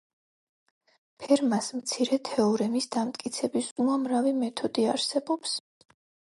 ფერმას მცირე თეორემის დამტკიცების უამრავი მეთოდი არსებობს.